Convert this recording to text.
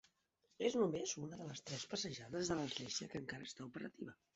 És només una de les tres passejades de l'església que encara està operativa.